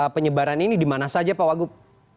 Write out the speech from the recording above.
penyebaran ini dimana saja pak wagup